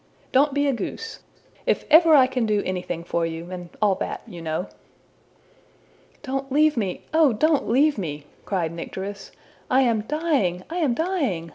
Don't be a goose. If ever I can do anything for you and all that, you know!'' ``Don't leave me; oh, don't leave me!'' cried Nycteris. ``I am dying! I am dying!